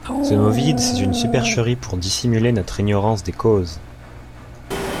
Ce mot vide c'est une supercherie pour dissimuler notre ignorance des causes!